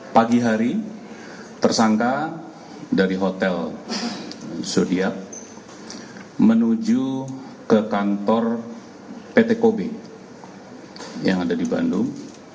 pagi hari tersangka dari hotel sudiat menuju ke kantor pt kobe yang ada di bandung